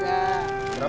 berapa ladanya ma